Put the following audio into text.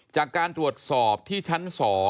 จากการตรวจสอบที่ชั้น๒